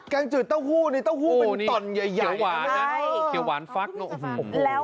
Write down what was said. แกงจืดเต้าหู้นี่เต้าหู้เป็นตอนใหญ่ใช่แขววานฟักนะ